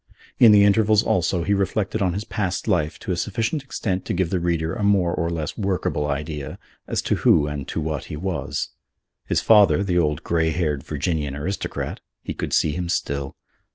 In the intervals, also, he reflected on his past life to a sufficient extent to give the reader a more or less workable idea as to who and to what he was. His father, the old grey haired Virginian aristocrat, he could see him still.